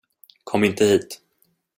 Kom inte hit.